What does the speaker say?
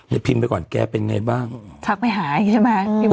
เดี๋ยวพิมไปก่อนแกเป็นไงบ้างชักไม่หายใช่ไหมอืม